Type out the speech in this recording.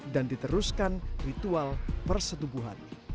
dan diteruskan ritual persetubuhan